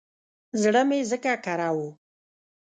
زړه مې ځکه کره و.